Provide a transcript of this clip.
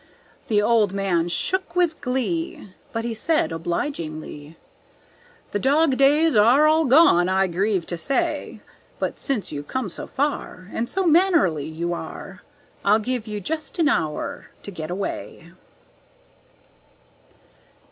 The old man shook with glee, But he said obligingly, "The dog days are all gone, I grieve to say; But since you've come so far, And so mannerly you are, I'll give you just an hour to get away."